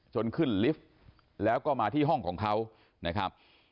จนขึ้นลิฟต์แล้วก็มาที่ห้องของเขานะครับ